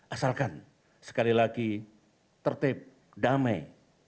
asalkan sekali lagi tertib damai